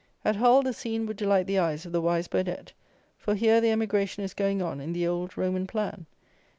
At Hull the scene would delight the eyes of the wise Burdett; for here the emigration is going on in the "Old Roman Plan."